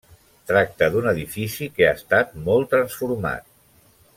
Tracta d'un edifici que ha estat molt transformat.